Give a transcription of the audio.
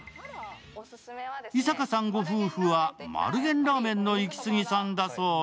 井阪さんご夫妻は丸源ラーメンのイキスギさんだそうで